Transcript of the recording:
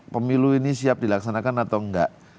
pemilu ini siap dilaksanakan atau enggak